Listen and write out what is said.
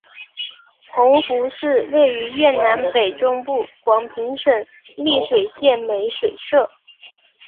弘福寺位于越南北中部广平省丽水县美水社。